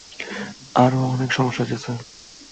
আরো অনেক সমস্যা আছে, স্যার।